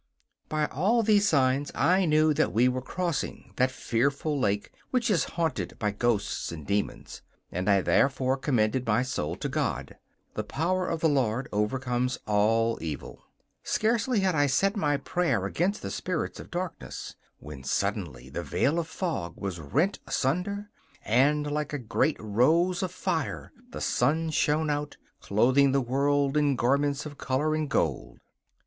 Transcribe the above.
By all these signs I knew that we were crossing that fearful lake which is haunted by ghosts and demons, and I therefore commended my soul to God. The power of the Lord overcomes all evil. Scarcely had I said my prayer against the spirits of darkness, when suddenly the veil of fog was rent asunder, and like a great rose of fire the sun shone out, clothing the world in garments of colour and gold!